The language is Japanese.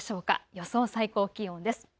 予想最高気温です。